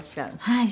「はい。